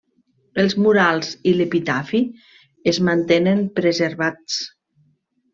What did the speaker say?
Els murals i l'epitafi es mantenen preservats.